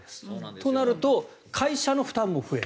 となると、会社の負担も増える。